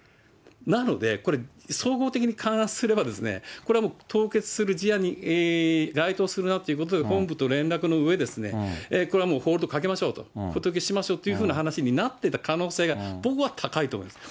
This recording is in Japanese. なので、これ総合的に勘案すれば、これはもう凍結する事案に該当するなっていうことで、本部と連絡のうえ、これはもうホールドかけましょうという話になってた可能性が、僕は高いと思います。